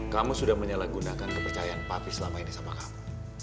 kamu sudah menyalahgunakan kepercayaan papi selama ini sama kamu